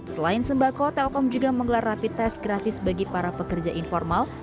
selain sembako telkom juga menggelar rapi tes gratis bagi para pekerja informal